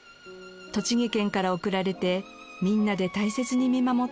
栃木県から贈られてみんなで大切に見守っています。